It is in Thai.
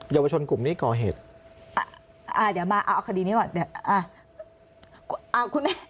เยาวชนกลุ่มนี้ก่อเหตุอ่าเดี๋ยวมาเอาเอาคดีนี้ก่อนเดี๋ยวอ่าเอาคุณแม่